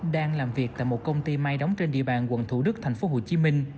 đang làm việc tại một công ty may đóng trên địa bàn quận thủ đức tp hcm